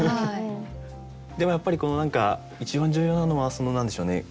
でもやっぱり何か一番重要なのは何でしょうね。